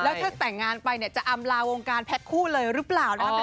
แล้วถ้าแต่งงานไปเนี่ยจะอำลาวงการแพ็คคู่เลยหรือเปล่านะครับ